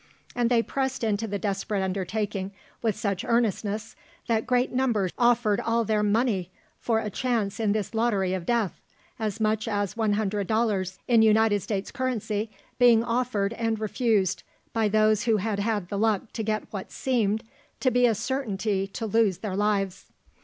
And they pressed into the desperate undertaking with such earnestness, that great numbers offered all their money for a chance in this lottery of death, as much as 100 dollars in United States currency being offered and refused by those who had had the luck to get what seemed to be a certainty to lose their lives.